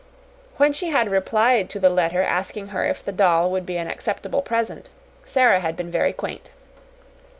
When she had replied to the letter asking her if the doll would be an acceptable present, Sara had been very quaint.